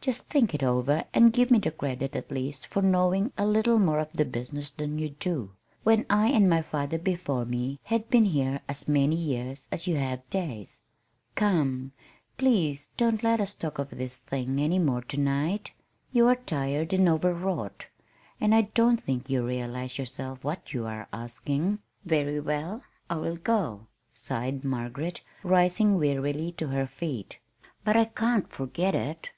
Just think it over, and give me the credit at least for knowing a little more of the business than you do, when I and my father before me, have been here as many years as you have days. Come, please don't let us talk of this thing any more to night. You are tired and overwrought, and I don't think you realize yourself what you are asking." "Very well, I will go," sighed Margaret, rising wearily to her feet. "But I can't forget it.